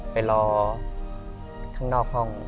ไปรอข้างนอกห้อง